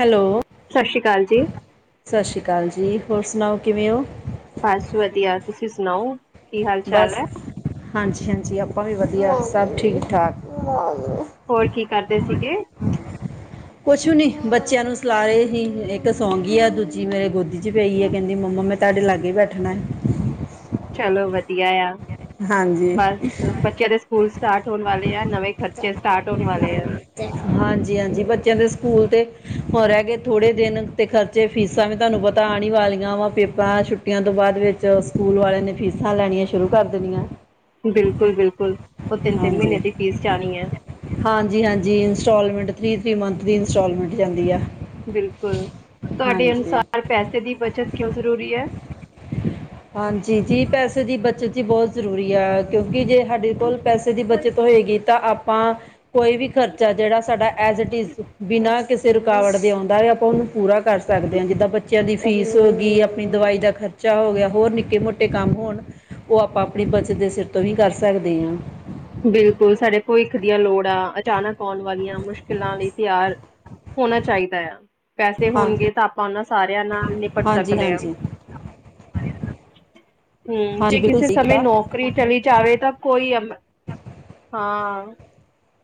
Hello! ਸਤਿ ਸ਼੍ਰੀ ਅਕਾਲ ਜੀ, ਸਤਿ ਸ਼੍ਰੀ ਅਕਾਲ ਜੀ, ਹੋਰ, ਸੁਨਾਓ ਕਿਵੇਂ ਓ? ਬਸ ਵਧੀਆ‌, ਤੁਸੀਂ ਸੁਨਾਓ? ਬਸ, ਹਾਂਜੀ-ਹਾਂਜੀ ਆਪਾਂ ਵੀ ਵਧੀਆ, ਸਭ ਠੀਕ-ਠਾਕ। ਹੋਰ, ਕੀ ਕਰਦੇ ਸੀਗੇ? [inaudible] ਕੁਛ ਵੀ ਨੀ ਬੱਚਿਆਂ ਨੂੰ ਸੁਲਾ ਰੇ ਹੀ, ਇੱਕ ਸੌਂਗੀ ਆ, ਦੂਜੀ ਮੇਰੇ ਗੋਦੀ'ਚ ਪੈਗੀ ਆ, ਕਹਿੰਦੀ ਮੰਮਾ ਮੈਂ ਤਾਡੇ ਲਾਗੇ ਈ ਬੈਠਨਾ ਐ। ਚਲੋ ਵਧੀਆ ਯਾ, ਹਾਂਜੀ ਬਸ ਬੱਚੇਆ ਦੇ ਸਕੂਲ ਸਟਾਰਟ ਹੋਨ ਵਾਲੇ ਆ, ਨਵੇਂ ਖਰਚੇ ਸਟਾਰਟ ਹੋਨ ਵਾਲੇ ਆ। ਹਾਂਜੀ-ਹਾਂਜੀ ਬੱਚੇਆਂ ਦੇ ਸਕੂਲ ਤੇ, ਹੋਰ ਰਹਿਗੇ ਥੋੜੇ ਦਿਨ ਤੇ ਖਰਚ ਤੇ ਫੀਸਾਂ ਵੀ ਤੁਹਾਨੂੰ ਪਤਾ ਆਣ ਈ ਵਾਲੀਆਂ ਵਾ, ਪੇਪਰਾਂ ਛੁੱਟੀਆਂ ਤੋਂ ਬਾਦ ਵਿੱਚ ਸਕੂਲ ਵਾਲਿਆਂ ਨੇ ਫੀਸਾਂ ਲੈਣੀਆਂ ਸ਼ੁਰੂ ਕਰ ਦੇਨੀ ਐ। ਬਿਲਕੁਲ-ਬਿਲਕੁਲ, ਓ ਤਿੰਨ-ਤਿੰਨ ਮੀਨੇ ਦੀ ਫੀਸ ਜਾਨੀ ਐ। ਹਾਂਜੀ-ਹਾਂਜੀ ਇੰਸਟਾਲਮੈਂਟ, ਥ੍ਰੀ-ਥ੍ਰੀ ਦੀ ਇੰਸਟਾਲਮੈਂਟ ਜਾਂਦੀ ਆ। ਬਿਲਕੁਲ, ਤੁਹਾਡੇ ਹਾਂਜੀ ਅਨੁਸਾਰ ਪੈਸੇ ਦੀ ਬੱਚਤ ਕਿਉਂ ਜ਼ਰੂਰੀ ਐ? ਹਾਂਜੀ, ਜੀ ਪੈਸੇ ਦੀ ਬੱਚਤ ਜੀ ਬੋਤ ਜ਼ਰੂਰੀ ਐ, ਕਿਉਂਕਿ ਜੇ ਸਾਡੇ ਕੋਲ ਪੈਸੇ ਦੀ ਬੱਚਤ ਹੋਏਗੀ ਤਾਂ ਆਪਾਂ ਕੋਈ ਵੀ ਖਰਚਾ ਜੇੜਾ ਸਾਡਾ ਐਜ ਈਟੀਜ਼ ਬਿਨਾਂ ਕਿਸੇ ਰੁਕਾਵਟ ਦੇ ਆਉਂਦਾ ਆ ਆਪਾਂ ਓਨੂੰ ਪੂਰਾ ਕਰ ਸਕਦੇ ਆਂ, ਜਿੱਦਾਂ ਆਪਾ ਬੱਚੇਆਂ ਦੀ ਫੀਸ ਹੋ ਗੀ, ਅਪਨੀ ਦਵਾਈ ਦਾ ਖਰਚਾ ਹੋ ਗਿਆ। ਹੋਰ ਨਿੱਕੇ ਮੋਟੇ ਕੰਮ ਹੋਨ, ਓ ਆਪਾਂ ਅਪਨੀ ਬੱਚਤ ਦੇ ਸਿਰ ਤੋਂ ਹੀ ਕਰ ਸਕਦੇ ਆਂ। ਬਿਲਕੁਲ ਸਾਡੇ ਭਵਿੱਖ ਦੀਆਂ ਲੋੜਾਂ, ਅਚਾਨਕ ਆਉਣ ਵਾਲੀਆਂ ਮੁਸ਼ਕਿਲਾਂ ਲਈ ਤਿਆਰ ਹੋਨਾ ਚਾਈਦਾ ਆ। ਪੈਸੇ ਹਾਂ ਹੋਨਗੇ ਤਾਂ ਆਪਾਂ ਓਨਾਂ ਸਾਰਿਆਂ ਨਾਲ ਨਿਪਟ ਹਾਂਜੀ ਸਕਦੇ ਆਂ। ਹਾਂਜੀ ਹੂੰ, ਹਾਂਜੀ ਜੇ ਬਿਲਕੁਲ ਕਿਸੇ ਸਹੀ ਸਮੇ ਕੀਤਾ ਨੌਕਰੀ ਚਲੀ ਜਾਵੇ ਤਾਂ ਕੋਈ ਅਮ ਹਾਂ,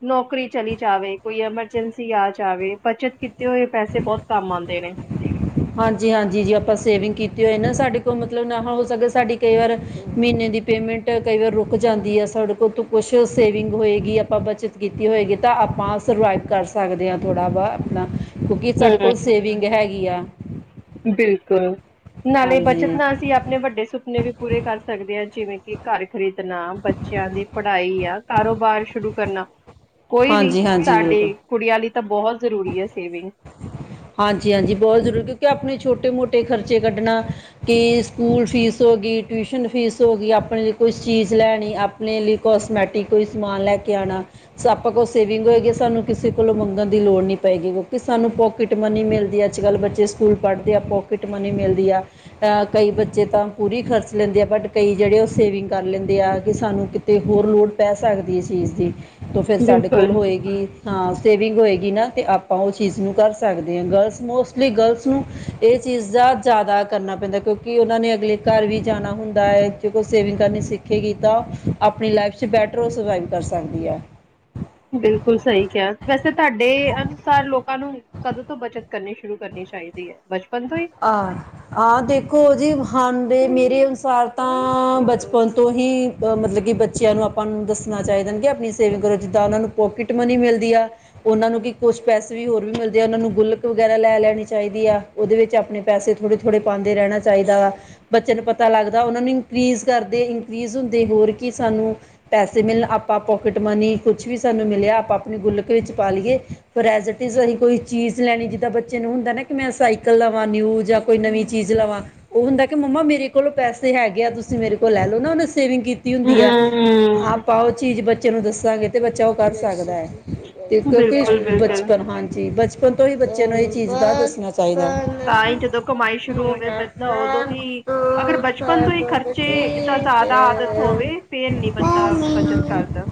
ਨੌਕਰੀ ਚਲੀ ਜਾਵੇ, ਕੋਈ ਐਮਰਜੈਂਸੀ ਆ ਜਾਵੇ ਬੱਚਤ ਕੀਤੇ ਹੋਏ ਪੈਸੇ ਬੋਤ ਕੰਮ ਆਂਦੇ ਨੇ। ਹਾਂਜੀ-ਹਾਂਜੀ ਜੇ ਆਪਾਂ ਸੇਵਿੰਗ ਕੀਤੀ ਹੋਏ ਨਾ, ਸਾਡੇ ਕੋਲ ਮਤਲਬ ਨਾ ਹੋ ਸਕੇ ਸਾਡੀ ਕਈ ਵਾਰ ਮੀਨੇ ਦੀ ਪੇਮੈਂਟ ਕਈ ਵਾਰ ਰੁਕ ਜਾਂਦੀ ਆ, ਸਾਡੇ ਕੋਲ ਕੁਛ ਸੇਵਿੰਗ ਹੋਏਗੀ ਆਪਾਂ ਬੱਚਤ ਕੀਤੀ ਹੋਏਗੀ ਤਾਂ, ਆਪਾਂ ਸਰਵਾਈਵ ਕਰ ਸਕਦੇ ਆਂ ਥੋੜ੍ਹਾ ਬਹ ਅਪਨਾ। ਕਿਉਂਕਿ ਸਾਡੇ ਕੋਲ ਹੂੰ, ਸੇਵਿੰਗ ਹੈਗੀ ਆ। ਬਿਲਕੁਲ, ਨਾਲੇ ਹਾਂਜੀ ਬੱਚਤ ਨਾਲ ਅਸੀਂ ਅਪਨੇ ਵੱਡੇ ਸੁਪਨੇ ਵੀ ਪੂਰੇ ਕਰ ਸਕਦੇ ਆਂ, ਜਿਵੇਂ ਕਿ ਘਰ ਖਰੀਦਨਾ, ਬੱਚਿਆਂ ਦੀ ਪੜ੍ਹਾਈ ਆ, ਕਾਰੋਬਾਰ ਸ਼ੁਰੂ ਕਰਨਾ। ਕੋਈ ਵੀ, ਹਾਂਜੀ ਹਾਂਜੀ ਸਾਡੇ ਬਿਲਕੁਲ ਕੁੜੀਆਂ ਲਈ ਤਾਂ ਬੋਹਤ ਜ਼ਰੂਰੀ ਐ ਸੇਵਿੰਗ। ਹਾਂਜੀ-ਹਾਂਜੀ ਬੋਤ ਜ਼ਰੂਰੀ, ਕਿਉਂਕਿ ਅਪਨੇ ਛੋਟੇ-ਮੋਟੇ ਖ਼ਰਚੇ ਕੱਢਨਾ ਕਿ ਸਕੂਲ ਫੀਸ ਹੋ ਗੀ, ਟਿਊਸ਼ਨ ਫੀਸ ਹੋ ਗੀ, ਅਪਨੇ ਲਈ ਕੁੱਛ ਚੀਜ਼ ਲੈਣੀ ਅਪਨੇ ਲਈ ਕੋਸਮੈਟਿਕ ਕੋਈ ਸਮਾਨ ਲੈ ਕੇ ਆਣਾ ਆਪਾਂ ਕੋਲ ਸੇਵਿੰਗ ਹੋਏਗੀ, ਸਾਨੂੰ ਕਿਸੇ ਕੋਲੋਂ ਮੰਗਨ ਦੀ ਲੋੜ ਨੀ ਪਏਗੀ, ਕਿਉਂਕਿ ਸਾਨੂੰ ਪੋਕਿਟ ਮਨੀ ਮਿਲਦੀ ਅੱਜ ਕੱਲ੍ਹ ਬੱਚੇ ਸਕੂਲ ਪੜ੍ਹਦੇ ਆ, ਪੋਕਿਟ ਮਨੀ ਮਿਲਦੀ ਆ ਅ ਕਈ ਬੱਚੇ ਤਾਂ ਪੂਰੀ ਖਰਚ ਲੈਂਦੇ ਆ, ਬਟ ਕਈ ਜੇੜੇ ਓ ਸੇਵਿੰਗ ਕਰ ਲੈਂਦੇ ਆ, ਕਿ ਸਾਨੂੰ ਕਿ ਤੇ ਹੋਰ ਲੋੜ ਪੈ ਸਕਦੀ ਐ ਚੀਜ਼ ਦੀ। ਤੋਂ ਫਿਰ ਸਾਡੇ ਕੋਲ ਬਿਲਕੁਲ, ਹੋਏਗੀ ਹਾਂ, ਸੇਵਿੰਗ ਹੋਏਗੀ ਨਾ। ਤੇ ਆਪਾਂ ਓ ਚੀਜ਼ ਨੂੰ ਕਰ ਸਕਦੇ ਆਂ, ਗਰਲਸ ਮੋਸਟਲੀ ਗਰਲਸ ਨੂੰ ਏ ਚੀਜ਼ ਦਾ ਜਜਾਦਾ ਕਰਨਾ ਪੈਂਦਾ ਕਿਉਂਕਿ ਕਿ ਓਨਾਂ ਨੇ ਅਗਲੇ ਘਰ ਵੀ ਜਾਨਾ ਹੁੰਦਾ ਏ, ਜੇ ਕੋਈ ਸੇਵਿੰਗ ਕਰਨੀ ਸਿਖੇਗੀ ਤਾਂ ਅਪਨੀ ਲਾਈਫ 'ਚ ਬੈਟਰ ਓ ਸਰਵਾਈਵ ਕਰ ਸਕਦੀ ਐ। ਬਿਲਕੁਲ ਸਈ ਕਿਹਾ, ਵੈਸੇ ਤੁਹਾਡੇ ਅਨੁਸਾਰ ਲੋਕਾਂ ਨੂੰ ਕਦੋਂ ਤੋਂ ਬੱਚਤ ਕਰਨੀ ਸ਼ੁਰੂ ਕਰਨੀ ਚਾਈਦੀ ਐ, ਬਚਪਨ ਤੋਂ ਈ? ਆਹ ਆ ਦੇਖੋ ਜੀ, ਹਾਂ ਦੇ ਮੇਰੇ ਅਨੁਸਾਰ ਤਾਂ ਬਚਪਨ ਤੋਂ ਹੀ ਅਹ ਮਤਲਬ ਕਿ ਬੱਚਿਆਂ ਨੂੰ ਆਪਾਂ ਨੂੰ ਦੱਸਣਾ ਚਾਈਦਾ ਨਾ ਕਿ ਅਪਨੀ ਸੇਵਿੰਗ ਕਰੋ, ਜਿੱਦਾਂ ਓਨਾਂ ਨੂੰ ਪੋਕਿਟ ਮਨੀ ਮਿਲਦੀ ਆ। ਓਨਾਂ ਨੂੰ ਕੀ ਕੁੱਛ ਪੈਸੇ ਵੀ ਹੋਰ ਵੀ ਮਿਲਦੇ ਆ, ਓਨਾਂ ਨੂੰ ਗੁਲਕ ਵਗੈਰਾ ਲੈ ਲੈਣੀ ਚਾਈਦੀ ਆ, ਓਦੇ ਵਿੱਚ ਅਪਨੇ ਪਸੇ ਥੋੜੇ-ਥੋੜੇ ਪਾਂਦੇ ਰਹਿਣਾ ਚਾਈਦਾ ਵਾ। ਬੱਚੇਆਂ ਨੂੰ ਪਤਾ ਲੱਗਦਾ, ਓਨਾਂ ਨੂੰ ਇੰਕਰੀਜ਼ ਕਰਦੇ, ਇੰਕਰੀਜ਼ ਹੁੰਦੇ ਹੋਰ ਕਿ ਸਾਨੂੰ ਪੈਸੇ ਮਿਲਨ, ਆਪਾਂ ਪੋਕਿਟ ਮਨੀ ਕੁੱਛ ਵੀ ਸਾਨੂੰ ਮਿਲਿਆ, ਆਪਾਂ ਅਪਨੀ ਗੁਲਕ ਵਿੱਚ ਪਾ ਲਿਏ। ਫਿਰ ਐੱਸ ਇਟ ਇਜ਼ ਐਹੀ ਕੋਈ ਚੀਜ਼ ਲੈਣੀ, ਜਿੱਦਾਂ ਬੱਚੇ ਨੂੰ ਹੁੰਦਾ ਨਾ ਕਿ ਮੈਂ ਸਾਈਕਲ ਦਾ ਨਿਊ ਜਾਂ ਕੋਈ ਨਵੀਂ ਚੀਜ਼ ਲਵਾਂ। ਓ ਹੁੰਦਾ ਕਿ, ਮੰਮਾ ਮੇਰੇ ਕੋਲੋਂ ਪੈਸੇ ਹੈਗੇ ਆ, ਤੁਸੀਂ ਮੇਰੇ ਕੋਲ ਲੈ ਲੋ ਨਾ ਓਨੇ ਸੇਵਿੰਗ ਕੀਤੀ ਤੀ ਹੁੰਦੀ ਆ, ਹੂੰ, ਆਪਾਂ ਓ ਚੀਜ਼ ਬੱਚੇ ਨੂੰ ਦੱਸਾਂਗੇ ਤੇ ਬੱਚਾ ਓ ਕਰ ਸਕਦਾ ਐ। ਤੇ ਕਿਉਂਕਿ ਬਿਲਕੁਲ-ਬਿਲਕੁਲ ਬਚਪਨ ਹਾਂਜੀ, ਬਚਪਨ ਤੋਂ ਹੀ ਬੱਚੇ ਨੂੰ ਏਹੀ ਚੀਜ਼ ਦਾ ਦੱਸਨਾ ਚਾਈਦਾ ਐ। ਤਾਂ ਹੀ ਜਦੋਂ ਕਮਾਈ ਸ਼ੁਰੂ ਹੋਵੇ ਬੰਦਾ ਉਦੋਂ ਹੀ ਅਗਰ ਬਚਪਨ ਤੋਂ ਹੀ ਖਰਚ ਚੇ ਤਾ ਜਾਦਾ ਆਦਤ ਹੋਵੇ ਫੇਰ ਨੀ ਬੰਦਾ ਬੱਚਤ ਕਰਦਾ।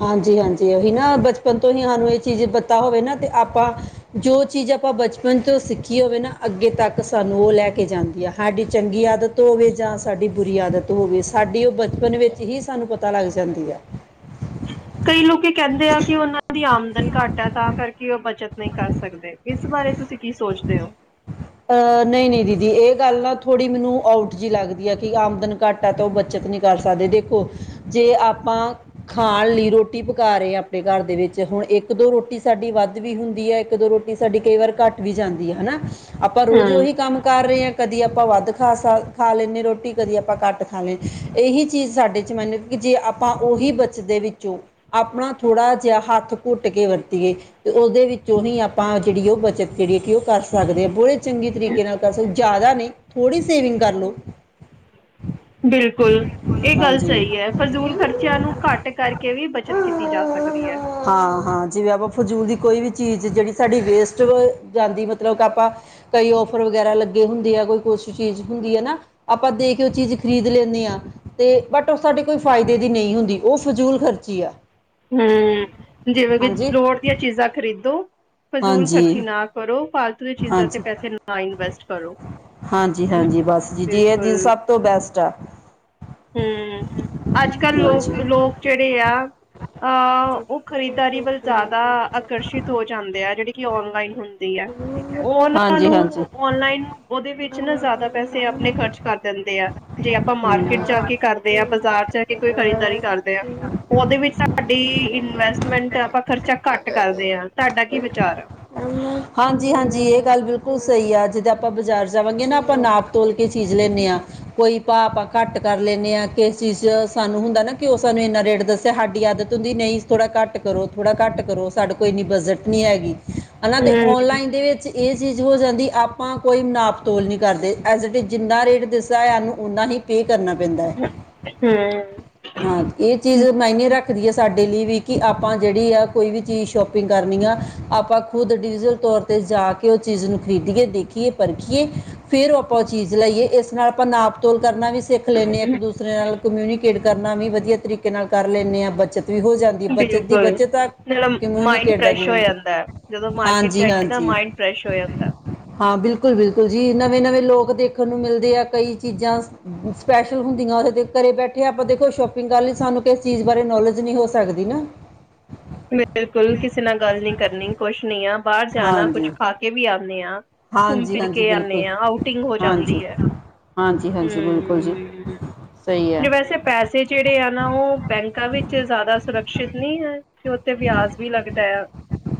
ਹਾਂਜੀ-ਹਾਂਜੀ ਓਹੀ ਨਾ ਬਚਪਨ ਤੋਂ ਹੀ ਸਾਨੂੰ ਏ ਚੀਜ਼ ਪਤਾ ਹੋਵੇ ਨਾ ਤੇ ਆਪਾਂ ਜੋ ਚੀਜ਼ ਆਪਾਂ ਬਚਪਨ ਤੋਂ ਸਿੱਖੀ ਹੋਵੇ ਨਾ ਅੱਗੇ ਤੱਕ ਸਾਨੂੰ ਓ ਲੈ ਕੇ ਜਾਂਦੀ ਆ, ਸਾਡੀ ਚੰਗੀ ਆਦਤ ਹੋਵੇ ਜਾਂ ਸਾਡੀ ਬੁਰੀ ਆਦਤ ਹੋਵੇ, ਸਾਡੀ ਓ ਬਚਪਨ ਵਿੱਚ ਹੀ ਸਾਨੂੰ ਪਤਾ ਲੱਗ ਜਾਂਦੀ ਆ। ਕਈ ਲੋਕ ਕਹਿੰਦੇ ਆ ਕਿ ਓਨਾਂ ਦੀ ਆਮਦਨ ਘੱਟ ਐ ਤਾਂ ਕਰਕੇ ਓ ਬੱਚਤ ਨਹੀਂ ਕਰ ਸਕਦੇ। ਇਸ ਬਾਰੇ ਤੁਸੀਂ ਕੀ ਸੋਚਦੇ ਓ? ਅ ਨਈ-ਨਈ ਦੀਦੀ ਏ ਗੱਲ ਨਾ ਥੋੜ੍ਹੀ ਮੈਨੂੰ ਆਊਟ ਜੀ ਲੱਗਦੀ ਆ ਕਿ ਆਮਦਨ ਘੱਟ ਤਾਂ ਓ ਬੱਚਤ ਨੀ ਕਰ ਸਕਦੇ ਦੇਖੋ, ਜੇ ਆਪਾਂ ਖਾਣ ਲਈ ਰੋਟੀ ਪਕਾ ਰਹੇ ਆਂ, ਆਪਣੇ ਘਰ ਦੇ ਵਿੱਚ ਹੁਣ ਇੱਕ ਦੋ ਰੋਟੀ ਸਾਡੀ ਵੱਧ ਵੀ ਹੁੰਦੀ ਹੈ, ਇੱਕ ਦੋ ਰੋਟੀ ਸਾਡੀ ਕਈ ਵਾਰ ਘੱਟ ਵੀ ਜਾਂਦੀ ਆ ਹਨਾ, ਆਪਾਂ ਰੋਜ਼ ਹੂੰ, ਉਹੀ ਕੰਮ ਕਰ ਰਹੇ ਹਾਂ ਕਦੀ ਆਪਾਂ ਵੱਧ ਖਾ ਲੈਂਣੇ ਆ ਰੋਟੀ ਕਦੀ ਆਪਾਂ ਘੱਟ ਖਾ ਲੈਂਦੇ, ਏਹੀ ਚੀਜ਼ ਸਾਡੇ 'ਚ ਮੈਨੂੰ ਕਿ ਜੇ ਆਪਾਂ ਓਹੀ ਬਚਦੇ ਵਿੱਚੋਂ ਆਪਣਾ ਥੋੜ੍ਹਾ ਜਿਹਾ, ਹੱਥ ਘੁੱਟ ਕੇ ਵਰਤੀਏ ਤੇ ਓਦੇ ਵਿੱਚੋਂ ਹੀ ਆਪਾਂ, ਜੇੜੀ ਓ ਬੱਚਤ ਜੇਹੜੀ ਹੈ ਕਿ ਓਕਰ ਸਕਦੇ ਹਾਂ। ਬੜੇ ਚੰਗੀ ਤਰੀਕੇ ਨਾਲ ਕਰ ਸਕੋ, ਜ਼ਿਆਦਾ ਨਈ ਥੋੜ੍ਹੀ ਸੇਵਿੰਗ ਕਰ ਲੋ। ਬਿਲਕੁਲ। ਏ ਗੱਲ ਸਈ ਹੈ, ਫਜ਼ੂਲ ਖ਼ਰਚਿਆਂ ਨੂੰ ਘੱਟ ਕਰਕੇ ਵੀ ਬੱਚਤ ਕੀਤੀ ਜਾ ਸਕਦੀ ਹੈ। ਹਾਂ-ਹਾਂ, ਜਿਵੇਂ ਆਪਾਂ ਫਜ਼ੂਲ ਦੀ ਕੋਈ ਵੀ ਚੀਜ਼ ਜੇੜੀ ਸਾਡੀ ਵੇਸਟ ਜਾਂਦੀ, ਮਤਲਬ ਕਿ ਆਪਾਂ ਕਈ ਔਫਰ ਵਗੈਰਾ ਲੱਗੇ ਹੁੰਦੇ ਆ, ਕੋਈ ਕੁਛ ਚੀਜ਼ ਹੁੰਦੀ ਹੈ ਨਾ। ਆਪਾਂ ਦੇ ਕੇ ਓ ਚੀਜ਼ ਖਰੀਦ ਲੈਂਣੇ ਹਾਂ। ਤੇ ਬਟ ਓਸਾਡੇ ਕੋਈ ਫਾਇਦੇ ਦੀ ਨਈ ਹੁੰਦੀ, ਓ ਫਜ਼ੂਲ ਖ਼ਰਚੀ ਆ। ਹੂੰ, ਜਿਵੇਂ ਕਿ ਹਾਂਜੀ ਲੋੜ ਦੀਆਂ ਚੀਜ਼ਾਂ ਖਰੀਦੋ, ਫਜ਼ੂਲ ਖਰਚੀ ਹਾਂਜੀ ਨਾ ਕਰੋ ਪ ਚੀਜ਼ਾਂ ਤੇ ਹਾਂਜੀ ਪੈਸੇ ਨਾ ਇਨਵੈਸਟ ਕਰੋ, ਹਾਂਜੀ ਹਾਂਜੀ ਬਸ ਜੀ ਜੀ ਇਹ ਜੀ ਬਿਲਕੁਲ ਸਭ ਬੈਸਟ ਆ। ਹੂੰ, ਅੱਜਕੱਲ੍ਹ ਹਾਂਜੀ ਲੋਕ ਲੋਕ ਜੇੜੇ ਆ। ਅ ਓ ਖਰੀਦਦਾਰੀ ਵੱਲ ਜ਼ਿਆਦਾ ਆਕਰਸ਼ਿਤ ਹੋ ਜਾਂਦੇ ਆ, ਜੇੜੇ ਕਿ ਔਨਲਾਈਨ ਹੁੰ ਓਨਾਂ ਹਾਂਜੀ ਹਾਂਜੀ ਨੂੰ ਔਨਲਾਈਨ ਓਦੇ ਵਿੱਚ ਨਾ ਜ਼ਿਆਦਾ ਪੈਸੇ ਆਪਣੇ ਖਰਚ ਕਰ ਦਿੰਦੇ ਆ ਜੇ ਆਪਾਂ ਮਾਰਕੀਟ ਜਾ ਕੇ ਕਰਦੇ ਆ, ਬਾਜ਼ਾਰ ਚ ਆ ਕੇ ਕੋਈ ਖਰੀਦਦਾਰੀ ਕਰਦੇ ਆ। ਹੂੰ ਓਦੇ ਵਿੱਚ ਤੁਆਡੀ ਇਨਵੈਸਟਮੈਂਟ ਆਪਾਂ ਖਰਚਾ ਘੱਟ ਕਰਦੇ ਹਾਂ, ਤੁਹਾਡਾ ਕੀ ਵਿਚਾਰ ਆ। ਹਾਂਜੀ-ਹਾਂਜੀ, ਏ ਗੱਲ ਬਿਲਕੁਲ ਸਹੀ ਆ ਜਦੋ ਆਪਾਂ ਬਾਜ਼ਾਰ ਜਾਵਾਂਗੇ ਨਾ, ਆਪਾਂ ਨਾਪ ਤੋਲ ਕੇ ਚੀਜ਼ ਲੈਂਦੇ ਹਾਂ। ਕੋਈ ਭਾ ਆਪਾਂ ਘੱਟ ਕਰ ਲੈਂਣੇ ਹਾਂ, ਕਿਸ ਚੀਜ਼ ਚ ਸਾਨੂੰ ਹੁੰਦਾ ਨਾ ਕਿ ਓ ਸਾਨੂੰ ਏਨਾ ਰੇਟ ਦੱਸ ਸਾਡੀ ਆਦਤ ਹੁੰਦੀ ਨਈ ਥੋੜ੍ਹਾ ਘੱਟ ਕਰੋ ਥੋੜ੍ਹਾ ਘੱਟ ਕਰੋ, ਸਾਡੇ ਕੋਲ ਏਨੀ ਬਜਟ ਨੀ ਹੈਗੀ। ਹਨਾ ਤੇ ਨਾ ਹੂੰ, ਏਦੇ ਵਿੱਚ ਏ ਚੀਜ਼ ਹੋ ਜਾਂਦੀ, ਆਪਾਂ ਕੋਈ ਨਾਪਤੋਲ ਨੀ ਕਰਦੇ ਜਿੰਨਾ ਰੇਟ ਓਨਾ ਹੀ ਪੇ ਕਰਨਾ ਪੈਂਦਾ ਹੈ। ਹੂੰ ਹਾਂ, ਏ ਚੀਜ਼ ਮਾਇਨੇ ਰੱਖਦੀ ਐ, ਸਾਡੇ ਲਈ ਵੀ ਕਿ ਆਪਾਂ ਜੇੜੀ ਆ ਕੋਈ ਵੀ ਚੀਜ਼ ਸ਼ੋਪ ਕਰਨੀ ਆ ਆਪਾਂ ਖੁਦ ਡਿਅਲ ਤੌਰ ਤੇ ਜਾ ਕੇ ਐ ਚੀਜ਼ ਨੂੰ ਖਰੀਦੀਏ ਦੇਖੀਏ ਪਰਖੀਏ। ਫੇਰ ਉਹ ਆਪਾਂ ਓ ਚੀਜ਼ ਲਈਏ, ਏਸ ਨਾਲ ਆਪਾਂ ਨਾਪਤੋਲ ਕਰਨਾ ਵੀ ਸਿੱਖ ਲੈਂਦੇ ਹਾਂ, ਇੱਕ ਦੂਸਰੇ ਨਾਲ ਕਮਿਊਨੀਕੇਟ ਕਰਨਾ ਵੀ ਵਧੀਆ ਤਰੀਕੇ ਨਾਲ ਕਰ ਲੈਂਦੇ ਹਾਂ। ਬੱਚਤ ਵੀ ਹੋ ਜਾਂਦੀ, ਬੱਚਤ ਦੀ ਬਿਲਕੁਲ ਬੱਚਤ ਨਾਲੇ ਮਾਇੰਡ ਕਮਿਊਨੀਕੇਟ ਫਰੈਸ਼ ਹੋ ਕਮਿਊਨੀ ਜਾਂਦਾ ਹੈ ਜਦੋਂ ਮਾਰਕੀਟ ਹਾਂਜੀ ਜਾਈਦਾ, ਹਾਂਜੀ ਮਾਇੰਡ ਫਰੈਸ਼ ਹੋ ਜਾਂਦਾ। ਹਾਂ,, ਬਿਲਕੁਲ-ਬਿਲਕੁਲ ਜੀ ਨਵੇਂ-ਨਵੇਂ ਲੋਕ ਦੇਖਣ ਨੂੰ ਮਿਲਦੇ ਆ, ਕਈ ਚੀਜ਼ਾਂ ਸਪੈਸ਼ਲ ਹੁੰਦੀਆਂ, ਓਹੋ ਜੇ ਘਰੇ ਬੈਠੇ ਆਪਾਂ ਦੇਖੋ ਸ਼ੋਪਿੰਗ ਕਰ ਲਈ, ਸਾਨੂੰ ਕਿਸੇ ਚੀਜ਼ ਬਾਰੇ ਨੌਲੇਜ ਨੀ ਹੋ ਸਕਦੀ ਨਾ। ਬਿਲਕੁਲ, ਕਿਸੇ ਨਾਲ ਗੱਲ ਨੀ ਕਰਨੀ ਕੁਛ ਨੀ ਆ, ਬਾਰ ਜਾਣਾ ਹਾਂਜੀ ਕੁਛ ਖਾ ਕੇ ਵੀ ਆਂਨੇ ਆਂ। ਘੁੰਮ ਹਾਂਜੀ ਫਿਰ ਹਾਂਜੀ ਕੇ ਬਿਲਕੁਲ ਆਣੇ ਆ, ਆਊਟਿੰਗ ਹੋ ਜਾਂਦੀ ਐ। ਹਾਂਜੀ-ਹਾਂਜੀ, ਬਿਲਕੁਲ ਜੀ ਸਹੀ ਹੈ। ਵੈਸੇ ਪੈਸੇ ਜੇੜੇ ਆ ਨਾ, ਓ ਬੈਂਕਾਂ ਵਿੱਚ ਜ਼ਿਆਦਾ ਸੁਰੱਖਸ਼ਿਅਤ ਨੀ ਹੈ। ਤੇ ਉਥੇ ਵਿਆਜ ਵੀ ਲੱਗਦਾ ਆ,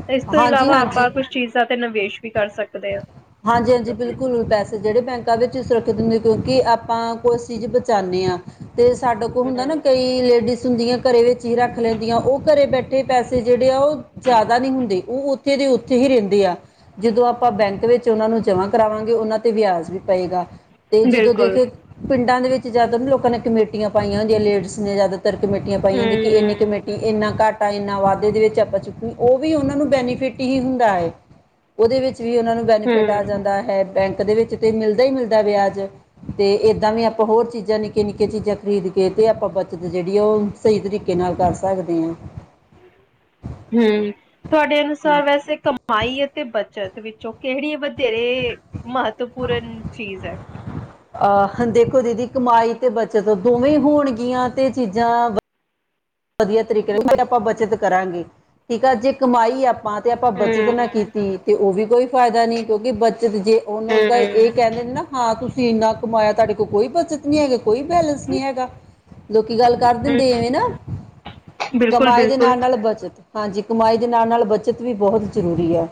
ਏਸ ਤੋਂ ਹਾਂਜੀ ਇਲਾਵਾ ਆਪਾਂ ਕੁਛ ਚੀਜ਼ਾਂ ਤੇ ਨਿਵੇਸ਼ ਵੀ ਕਰ ਸਕਦੇ। ਹਾਂ। ਹਾਂਜੀ-ਹਾਂਜੀ, ਬਿਲਕੁਲ ਪੈਸੇ। ਪੈਸੇ ਜੇੜੇ ਬੈਂਕਾਂ ਵਿੱਚ ਸੁਰੱਖਿਅਤ ਹੁੰਦੇ, ਕਿਉਂਕਿ ਆਪਾਂ, ਕੁਛ ਚੀਜ਼ ਬਚਾਨੇ ਆਂ। ਤੇ ਸਾਡੇ ਕੋਲ ਹੁੰਦਾ ਨਾ ਹੂੰ ਕਈ। ਲੇਡੀਜ਼ ਹੁੰਦੀਆਂ ਘਰੇ ਵਿੱਚ ਹੀ ਰੱਖ ਲੈਂਦੀਆਂ, ਉਹ ਘਰੇ ਬੈਠੇ ਪੈਸੇ ਜਿਹੜੇ ਆ ਉਹ। ਜ਼ਿਆਦਾ ਨਹੀਂ ਹੁੰਦੇ, ਉਹ ਉੱਥੇ ਦੇ ਉੱਥੇ ਹੀ ਰਹਿੰਦੇ ਆ ਜਦੋਂ ਆਪ। ਆਪਾਂ ਬੈਂਕ ਵਿੱਚ ਉਹਨਾਂ ਨੂੰ ਜਮਾਂ ਕਰਾਵਾਂਗੇ, ਉਹਨਾਂ ਤੇ ਵਿਆਜ ਵੀ ਪਏਗਾ, ਤੇ ਜਦੋਂ ਬਿਲਕੁਲ ਦੇਖੇ। ਪਿੰਡਾਂ ਦੇ ਵਿੱਚ ਜ਼ਿਆਦਾ ਨਾ ਲੋਕਾਂ ਨੇ ਕਮੇਟੀਆਂ ਪਾਈਆਂ ਹੁੰਦੀਆਂ, ਲੇਡਸ ਨੇ ਜ਼ਿਆਦਾਤਰ ਕਮੇਟੀਆਂ ਪਾਈਆਂ ਹੂੰ ਹੰਦੀਆਂ, ਕਿ ਇੰਨਨੀ ਕਮੇਟੀ। ਇਨਾ ਘਾਟਾ ਇੰਨਾ ਵਾਧੇ ਦੇ ਵਿੱਚ ਆਪਾਂ ਚੁੱਕਣੀ, ਉਹ ਵੀ ਉਹਨਾਂ ਨੂੰ ਬੈਨੀਫਿਟ ਹੀ ਹੁੰਦਾ ਹੈ। ਉਹਦੇ ਵਿੱਚ ਵੀ ਉਹਨਾਂ ਨੂੰ ਬੈਨੀਫਿਟ ਹੂੰ। ਆ ਜਾਂਦਾ ਹੈ, ਬੈਂਕ ਦੇ ਵਿੱਚ ਤੇ ਮਿਲਦਾ ਹੀ ਮਿਲਦਾ ਬੇਆਜ। ਤੇ ਏਦਾਂ ਵੀ ਆਪਾਂ ਹੋਰ ਚੀਜ਼ਾਂ ਨਿੱਕੇੀਆਂ -ਨਿੱਕੇੀਆਂ, ਚੀਜ਼ਾਂ ਖਰੀਦ ਕੇ ਤੇ ਆਪਾਂ ਬੱਚਤ ਜਿਹੜੀ ਆ ਉਹ। ਸਹੀ ਤਰੀਕੇ ਨਾਲ ਕਰ ਸਕਦੇ ਹਾਂ। ਹੂ ਤੁਹਾਡੇ ਅਨੁਸਾਰ ਵੈਸੇ ਕ ਕਮਾਈ ਅਤੇ ਬੱਚਤ ਵਿੱਚੋਂ ਕਿਹੜੀ ਵਧੇਰੇ ਮਹੱਤਵਪੂਰਨ ਚੀਜ਼ ਹੈ। ਆਹ ਦੇਖੋ ਦੀਦੀ ਕਮਾਈ, ਤੇ ਬੱਚਤ ਦੋਵੇਂ ਹੋਣਗੀਆਂ ਤੇ ਚੀਜ਼ਾਂ। ਵਧੀਆ ਤਰੀਕੇ ਨਾਲ ਤਦ ਆਪਾਂ ਬੱਚਤ ਕਰਾਂਗੇ, ਠੀਕ ਆ ਜੇ ਕਮਾਈ ਆਪਾਂ। ਤੇ ਆਪਾਂ ਬੱਚਤ ਨਾ ਹੂੰ-ਹੂੰ, ਕੀਤੀ, ਤੇ ਉਹ ਵੀ ਕੋਈ ਫਾਇਦਾ ਨਹੀਂ ਕਿਉਂਕਿ ਬੱਚਤ ਜੇ ਉਹਨੂੰ ਇਹ। ਕਹਿੰਦੇ ਨੇ ਨਾ ਹਾਂ ਤੁਸੀਂ ਇੰਨਾ ਕਮਾਇਆ, ਤੁਹਾਡੇ ਕੋਲ ਕੋਈ ਬੱਚਤ ਨੀ ਹੈਗਾ, ਕੋਈ ਬੈਲੇੈਂਸ ਨਹੀਂ ਹੈਗਾ। ਲੋਕੀ ਗੱਲ ਕਰ ਦਿੰਦੇ ਐਵੇਂ ਨਾ, ਕਮਾਈ ਦੇ ਬਿਲਕੁਲ-ਬਿਲਕੁਲ। ਨਾਲ -ਨਾਲ। ਬੱਚਤ, ਹਾਂਜੀ ਕਮਾਈ ਦੇ ਨਾਲ- ਨਾਲ ਬੱਚਤ ਵੀ ਬਹੁਤ ਜ਼ਰੂਰੀ ਹੈ।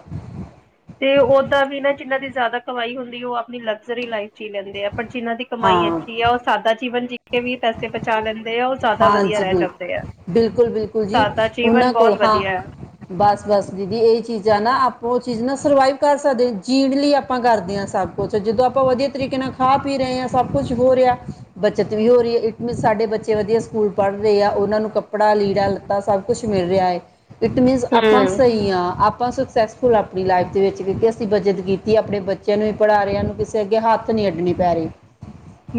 ਤੇ ਓਦਾਂ ਵੀ ਨਾ ਜਿੰਨਾਂ ਦੀ ਜ਼ਿਆਦਾ ਕਮਾਈ ਹੁੰਦੀ, ਉਹ ਆਪਣੀ ਲਗਜ਼ਰੀ ਲਾਈਫ। ਲੈਂਦੇ ਆ, ਪਰ ਜਿਹਨਾਂ ਦੀ ਕਮਾਈ ਹਾਂ ਅੱਛੀ ਆ, ਉਹ ਸਾਦਾ ਜੀਵਨ ਜੀ ਕੇ ਵੀ ਪੈਸੇ ਬਚਾ ਲੈਂਦੇ ਆ ਉਹ। ਜ਼ਿਆਦਾ ਵਧੀਆ ਹਾਂਜੀ ਰਹਿ ਬਿਲਕੁਲ ਜਾਂਦੇ ਆ। -ਬਿਲਕੁਲ- ਬਿਲਕੁਲ, ਜੀ ਸਾਦਾ ਜੀਵਨ ਉਹਨਾਂ ਕੋਲ ਬਹੁਤ ਹਾਂ ਵਧੀਆ ਹੈ। ਬਸ- ਬਸ, ਦੀਦੀ ਇਹ ਚੀਜ਼ਾਂ ਨਾ ਆਪਾਂ, ਉਹ ਚੀਜ਼ ਨਾ ਸਰਵਾਈਵ ਕਰ ਸਕਦੇ, ਜੀਣ ਲਈ ਆਪਾਂ ਕਰਦੇ ਹਾਂ ਸਭ। ਕੁਛਾ, ਜਦੋਂ ਆਪਾਂ ਵਧੀਆ ਤਰੀਕੇ ਨਾਲ ਖਾ ਪੀ ਰਹੇ ਹਾਂ ਸਭ ਕੁੱਛ ਹੋ ਰਿਹਾ। ਬੱਚਤ ਵੀ ਹੋ ਰਹੀ ਹੈ, ਸਾਡੇ ਬੱਚੇ ਵਧੀਆ ਸਕੂਲ ਪੜ੍ਹ ਰਹੇ ਆ, ਉਹਨਾਂ ਨੂੰ ਕੱਪੜਾ ਲੀੜਾ ਲੱਤਾ ਸਭ ਕੁਛ ਮਿਲ ਰਿਹਾ ਹੈ। ਇਟ ਮੀਨਸ ਆਪਾਂ ਹੂੰ, ਸਹੀ ਹਾਂ, ਆਪਾਂ ਸਕਸੈਸ। ਫੁੱਲ, ਆਪਣੀ ਲਾਈਫ ਦੇ ਵਿੱਚ ਕਿਉਂਕਿ ਅਸੀਂ ਬੱਚਤ ਕੀਤੀ, ਆਪਣੇ ਬੱਚਿਆਂ ਨੂੰ ਵੀ ਪੜ੍ਹਾ ਰਏ ਆਂ, ਸਾਨੂੰ ਕਿਸੇ ਅੱਗੇ ਹੱਥ ਨਹੀਂ ਅੱਡਣੀ ਪੈ ਰਹੀ।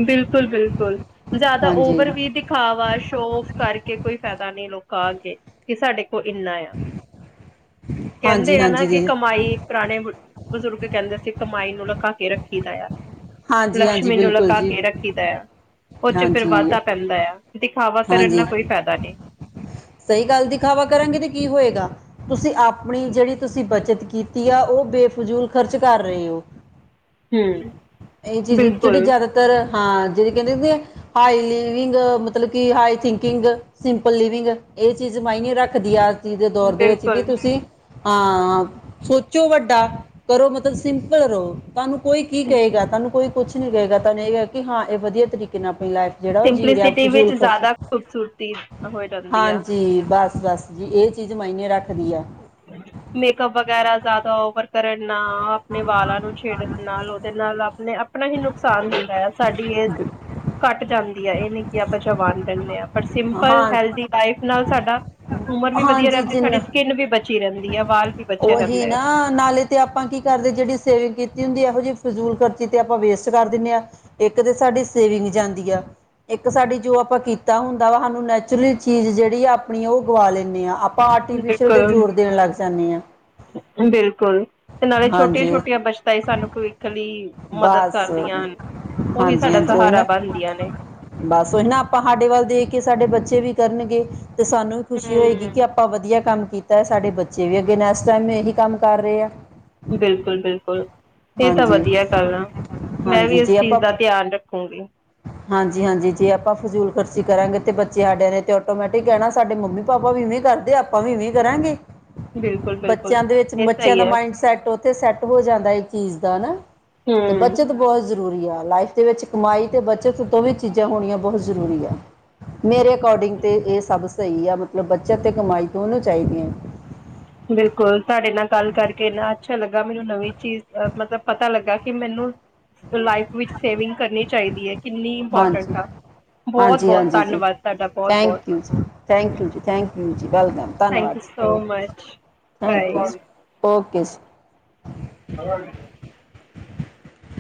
ਬਿਲਕੁਲ -ਬਿਲਕੁਲ, ਜਿਆਦਾ ਹਾਂਜੀ ਓਵਰ ਵੀ ਤੇ ਖਾਵਾ ਸ਼ੋ ਔਫ ਕਰਕੇ ਕੋਈ ਫਾਇਦਾ, ਨੀ ਲੋਕਾਂ ਅੱਗੇ ਕਿ ਸਾਡੇ। ਔ ਇੰਨਾ ਆ, ਹਾਂਜੀ ਕਹਿੰਦੇ ਆ ਨਾ ਹਾਂਜੀ ਕਿ ਦੀਦੀ ਕਮਾਈ। ਪੁਰਾਣੇ ਬਜ਼ੁਰਗ ਕਹਿੰਦੇ ਸੀ, ਕਮਾਈ ਨੂੰ ਲੂਕਾ ਕੇ ਰੱਖੀ ਦਾ ਆ। ਹਾਂਜੀ- ਹਾਂਜੀ, ਬਿਲਕੁਲ। ਲੂਕਾ ਜੀ ਕੇ ਰੱਖੀ ਦਾ ਐ, ਉਹ ਚ ਫਿਰ ਹਾਂਜੀ, ਵਾਧਾ ਪੈਂਦਾ ਆ, ਦਿਖਾਵਾ ਕਰਨ ਹਾਂਜੀ ਨਾਲ ਕੋਈ ਫਾਇਦਾ ਨਹੀਂ। ਸਹੀ ਗੱਲ ਦਿਖਾਵਾ ਕਰਾਂਗੇ ਤੇ ਕੀ ਹੋਏਗਾ। ਤੁਸੀਂ ਆਪਣੀ ਜਿਹੜੀ ਤੁਸੀਂ ਬੱਚਤ ਕੀਤੀ ਆ, ਉਹ ਬੇਫਜ਼ੂਲ ਖਰਚ ਕਰ ਰਹੇ ਹੋ। ਹਮ ਇਹ ਚੀਜ਼ ਜਿਹੜੀ ਬਿਲਕੁਲ ਜ਼ਿਆਦਾਤਰ ਹਾਂ, ਜਿਹੜੀ ਕਹਿੰਦੇ ਹੁੰਦੇ ਐ ਹਾਈ ਲਿਵਿੰਗ ਮਤਲਬ ਕਿ ਹਾਈ ਥਿੰਕਿੰਗ ਸਿੰਪਲ ਲਿਵਿੰਗ। ਇਹ ਚੀਜ਼ ਮਾਇਨੇ ਰੱਖਦੀ ਆ, ਅੱਜ ਚੀ ਦੇ ਦੌਰ ਦੇ ਵਿੱਚ ਕਿ ਬਿਲਕੁਲ ਤੁਸੀਂ। ਹਾਂ ਸੋਚੋ ਵੱਡਾ ਕਰੋ, ਮਤਲਬ ਸਿੰਪਲ ਰਹੋ। ਤੁਹਾਨੂੰ ਕੋਈ ਕੀ ਕਹੇਗਾ, ਤੁਹਾਨੂੰ ਕੋਈ ਕੁਛ ਨੀ ਕਹੇਗਾ ਤੁਹਾਨੂੰ ਇਹ ਕ ਕਿ ਹਾਂ ਇਹ ਵਧੀਆ, ਤਰੀਕੇ ਨਾਲ ਆਪਣੀ ਲਾਈਫ। ਜਿਹੜਾ ਉਹ ਜੀ ਰਿਆ ਸਿੰਪਲੀਸਿਟੀ ਫਜੂਲ ਵਿੱਚ ਖਰਚ। ਜ਼ਿਆਦਾ ਖੂਬਸੂਰਤੀ ਔਫ ਹਾਂਜੀ ਬਸ -ਬਸ, ਜੀ ਇਹ ਚੀਜ਼ ਮਾਇਨੇ ਰੱਖਦੀ ਆ। ਮੇਕਅਪ ਵਗੈਰਾ, ਜ਼ਿਆਦਾ ਓਵਰ। ਕਰਨ ਨਾਲ ਆਪਣੇ ਵਾਲਾਂ ਨੂੰ ਛੇੜਨ ਨਾਲ, ਉਹਦੇ ਨਾਲ ਆਪਣੇ -ਆਪਣਾ ਹੀ ਨੁਕਸਾਨ ਹੁੰਦਾ ਆ। ਸਾਡੀ ਏਜ ਘੱਟ ਜਾਂਦੀ ਹੈ, ਇਹ ਨੀ ਕਿ ਆਪਾਂ ਜਵਾਨ ਰਹਿਨੇ ਆਂ ਪਰ ਸਿੰਪਲ ਹਾਂ ਹੈਲਦੀ ਲਾਈਫ ਨਾਲ ਸਾਡਾ ਹੁਮਰ ਵੀ ਵਧੀਆ ਹਾਂਜੀ ਰਹਿੰਦੀ ਜਿੰਨਾ ਸਾਡੀ ਸਕਿੰਨ ਵੀ [unintelligible] ਵਾਲ ਵੀ ਬੱਛੇ ਰਹਿੰਦੇ ਆ। ਤਾਂ ਨਾਲੇ 'ਤੇ ਆਪਾਂ ਕੀ ਕਰਦੇ ਜਿਹੜੀ ਸੇਵਿੰਗ ਕੀਤੀ ਹੁੰਦੀ ਆ ਇਹੋ ਜਿਹੀ ਫਜ਼ੂਲ ਕਰਚੀ 'ਤੇ ਆਪਾਂ ਵੇਸਟ ਕਰ ਦਿੰਨੇ ਆ। ਇੱਕ 'ਤੇ ਸਾਡੀ ਸੇਵਿੰਗ ਜਾਂਦੀ ਆ ਇੱਕ ਸਾਡੀ ਜੋ ਆਪਾਂ ਕੀਤਾ ਹੁੰ ਦਾ ਵਾ ਹਾਨੂੰ ਨੈਚੁਰਲੀ ਚੀਜ਼ ਜਿਹੜੀ ਆ ਆਪਣੀ ਉਹ ਗਵਾ ਲੈਨੇ ਆ ਪਾਂ ਆਰਟੀਫਿਸ਼ਅਲ ਦੇ ਜ਼ੋਰ ਦੇਣ ਲੱਗ ਜਾਂਨੇ ਆ। ਬਿਲਕੁੱਲ। 'ਤੇ ਨਾਲੇ ਹਾਂਜੀ ਛੋਟੀਆਂ-ਛੋਟੀਆਂ ਬੱਚਤਾਂ ਈ ਸਾਨੂੰ ਭਵਿੱਖ ਲਈ ਮਦਦ ਬਸ ਕਰਦੀਆਂ। ਉਹੀ ਹਾਂਜੀ ਸਾਡਾ ਹਾਂਜੀ ਉਹੀ ਸਹਾਰਾ ਨਾ ਬਣਦੀਆਂ ਨੇ। ਬਸ ਉਹੀ ਨਾ ਆਪਾਂ ਹਾਡੇ ਵੱਲ ਦੇਖ ਕੇ ਸਾਡੇ ਬੱਚੇ ਵੀ ਕਰਨਗੇ 'ਤੇ ਸਾਨੂੰ ਵੀ ਖੁਸ਼ੀ ਹੋਏਗੀ ਹਮ ਕਿ ਆ ਆਪਾਂ ਵਧੀਆ ਕੰਮ ਕੀਤਾ ਐ ਸਾਡੇ ਬੱਚੇ ਵੀ ਅੱਗੇ ਨੇਸਟ ਟੇਮ ਇਹੀ ਕੰਮ ਕਰ ਰੇ ਆ। ਬਿਲਕੁੱਲ-ਬਿਲਕੁੱਲ ਇਹ ਤਾਂ ਹਾਂਜੀ ਵਧੀਆ ਗੱਲ ਆ। ਮੈਂ ਵੀ ਇਸ ਚੀਜ਼ ਦਾ ਧਿਆਨ ਰੱਖੂਗੀ। ਹਾਂਜੀ-ਹਾਂਜੀ ਜੇ ਆਪਾਂ ਫਜ਼ੂਲ ਖਰਚੀ ਕਰਾਂਗੇ 'ਤੇ ਬੱਚੇ ਹਾਡਿਆ ਨੇ 'ਤੇ ਓਟੋਮੈਟਿਕ ਕਹਿਣਾ ਸਾਡੇ ਮੰਮੀ ਪਾਪਾ ਵੀ ਇਵੇਂ ਕਰਦੇ ਆਪਾਂ ਵੀ ਇਵੇਂ ਈ ਕਰਾਂਗੇ। ਬਿਲਕੁਲ-ਬਿਲਕੁਲ ਬੱਚਿਆਂ ਦੇ ਵਿੱਚ ਇਹ ਬੱਚਿਆਂ ਸਹੀ ਦਾ ਹੈ। ਮਾਈੰਡ ਸੈਟ ਤੇ ਸੈੱਟ ਹੋ ਜਾਂਦਾ ਐ ਇਹ ਚੀਜ਼ ਦਾ ਨਾ 'ਤੇ ਹੂੰ ਬੱਚਤ ਬਹੁ ਜ਼ਰੂਰੀ ਆ ਲਾਈਫ ਦੇ ਵਿੱਚ ਕਮਾਈ 'ਤੇ ਬੱਚਤ ਦੋਵੇ ਚੀਜ਼ਾਂ ਹੋਣੀਆਂ ਬਹੁਤ ਜ਼ਰੂਰੀ ਆ। ਮੇਰੇ ਅਕੋਰਡਿੰਗ ਤੇ ਇਹ ਸਭ ਸਈ ਆ ਮਤਲਬ ਬੱਚਤ ਤੇ ਕਮਾਈ ਦੋਨੋ ਚਾਈਦੀ ਐ। ਬਿਲਕੁੱਲ ਤੁਹਾਡੇ ਨਾਲ ਗੱਲ ਕਰਕੇ ਇੰਨਾ ਅੱਛਾ ਲੱਗਾ ਮੈਨੂੰ ਨਵੀਂ ਚੀਜ਼ ਮਤਲਬ ਪਤਾ ਲੱਗਾ ਕਿ ਮੈਨੂੰ ਲਾਈਫ ਵਿੱਚ ਸੇਵਿੰਗ ਕਰਨੀ ਚਾਈਦੀ ਐ। ਕਿੰਨੀ ਹਾਂਜੀ ਇੰਪੋਰਟੈਂਟ ਆ ਹਾਂਜੀ ਬੋਅਤ-ਬੋਅਤ ਹਾਂਜੀ ਜੀ ਧੰਨਵਾਦ ਤਾਹਡਾ ਬੋਅਤ-ਬੋਅਤ। ਥੈਂਕ ਥੈਂਕ ਯੂ ਜੀ ਥੈਂਕ ਯੂ ਜੀ ਵੈਲਕਮ ਥੈਂਕ ਧੰਨਵਾਦ ਯੂ ਜੀ so okay much thank you ਜੀ। ਬਾਏ। ਓਕੇ ਜੀ। [inaudible]